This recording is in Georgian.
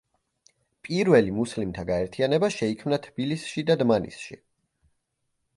პირველი მუსლიმთა გაერთიანება შეიქმნა თბილისში და დმანისში.